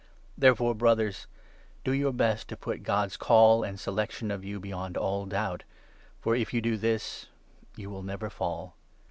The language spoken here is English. Therefore, Brothers, do your best to put God's Call 10 and Selection of you beyond all doubt; for, if you do this, you will never fall.